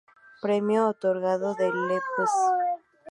Premio otorgado de Lps.